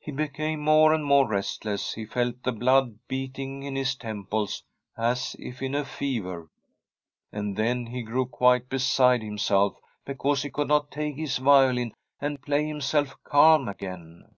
He became more and more restless; he felt the blood beating in his temples as if in a fever. And then he grew quite beside himself because he could not take his violin and play himself calm again.